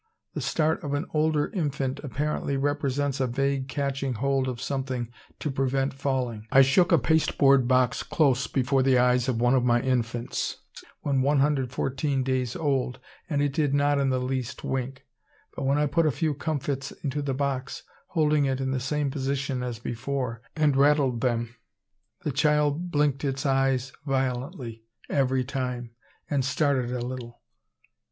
The start of an older infant apparently represents a vague catching hold of something to prevent falling. I shook a pasteboard box close before the eyes of one of my infants, when 114 days old, and it did not in the least wink; but when I put a few comfits into the box, holding it in the same position as before, and rattled them, the child blinked its eyes violently every time, and started a little.